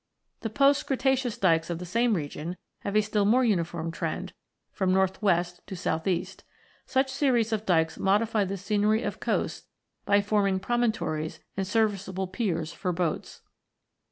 The post Cretaceous dykes of the same region have a still more uniform trend, from north west to south east. Such series of dykes modify the scenery of coasts by forming promontories and serviceable piers for boats.